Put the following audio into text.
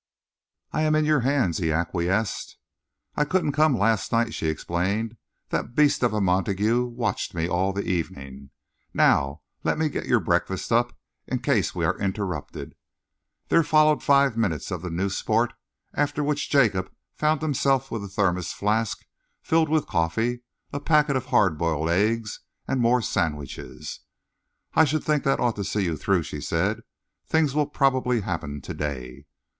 "I am in your hands," he acquiesced. "I couldn't come last night," she explained. "That beast of a Montague watched me all the evening. Now let me get your breakfast up, in case we are interrupted." There followed five minutes of the new sport, after which Jacob found himself with a thermos flask filled with coffee, a packet of hard boiled eggs, and more sandwiches. "I should think that ought to see you through," she said. "Things will probably happen to day."